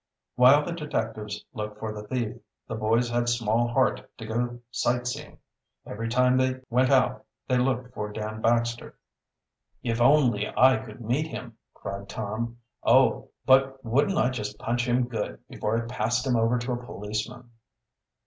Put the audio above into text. While the detectives looked for the thief, the boys had small heart to go sight seeing. Every time they, went out they looked for Dan Baxter. "If only I could meet him!" cried Tom. "Oh, but wouldn't I just punch him good before I passed him over to a policeman."